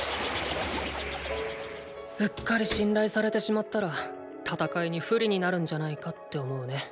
うっかり信頼されてしまったら戦いに不利になるんじゃないかって思うね。